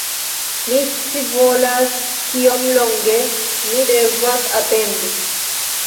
Mi scivolas kiom longe ni devas atendi